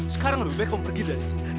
sekarang lebih baik kamu pergi dari sini